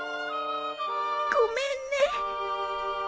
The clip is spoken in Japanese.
ごめんね